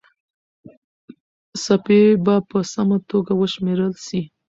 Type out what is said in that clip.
څپې به په سمه توګه وشمېرل سي.